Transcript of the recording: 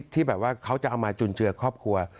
ที่เขาจะเอามาจุนเชือกครอบครัว